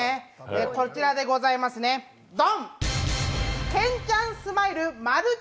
こちらでございますね、ドン！